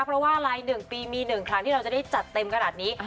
เพราะว่าลาย๑ปีมี๑ครั้งที่เราจะได้จัดเต็มขนาดนี้